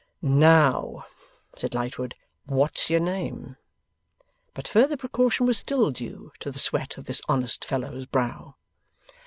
'Now,' said Lightwood, 'what's your name?' But further precaution was still due to the sweat of this honest fellow's brow.